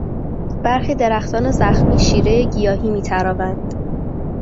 برخی درختان زخمی شیرهی گیاهی میتراوند.